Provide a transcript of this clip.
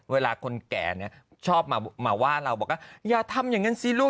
เวลาคนแก่เนี่ยชอบมาว่าเราบอกว่าอย่าทำอย่างนั้นสิลูก